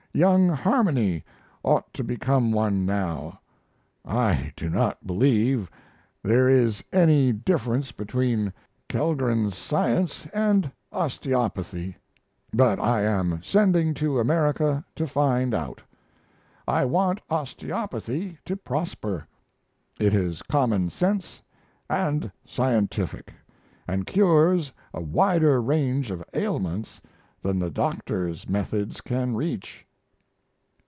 Young Harmony ought to become one now. I do not believe there is any difference between Kellgren's science and osteopathy; but I am sending to America to find out. I want osteopathy to prosper; it is common sense & scientific, & cures a wider range of ailments than the doctor's methods can reach.